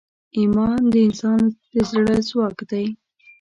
ایمان د انسان د زړه ځواک دی.